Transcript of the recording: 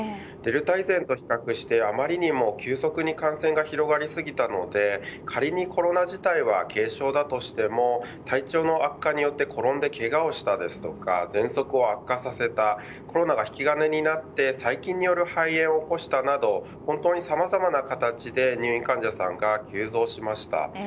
デルタ以前と比較してあまりにも急速に感染が広がりすぎたので仮に、コロナ自体は軽症だとしても体調の悪化によって転んでけがをした、ですとかぜんそくを悪化させたコロナが引き金になって細菌による肺炎を起こしたなど本当にさまざまな形で入院患者さんが急増しました。